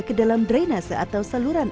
ke dalam drainase atau saluran